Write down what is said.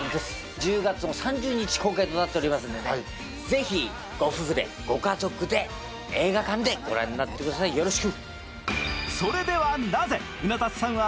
１０月３０日公開となっておりますんでね、ぜひご夫婦で、ご家族で、映画館で御覧になってください、よろしく！